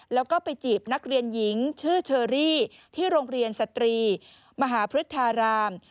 แล้วก็ไปจีบนักเรียนหญิงชื่อเชอรี่ที่โรงเรียนสตรีมหาพฤทธาราม